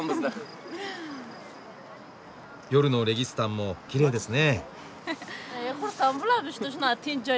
夜のレギスタンもきれいですね。